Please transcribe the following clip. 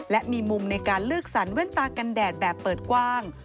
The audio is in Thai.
และมีมุมในการเลือกสรรแว่นตากันแดดแบบเปิดกว้าง